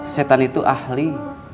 setan itu ahli